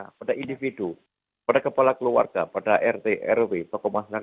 kepada individu kepada kepala keluarga pada rt rw kecamatan